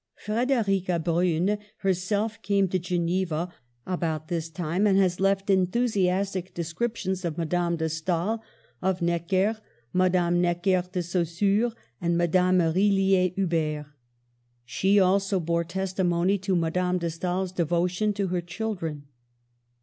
Frederica Brun herself came to Geneva about this time, and has left enthusiastic descriptions of Madame de Stael, of Necker, Madame Necker de Saussure and Madame Rilliet Huber. She also bore testimony to Madame de Stael's devo tion to her children.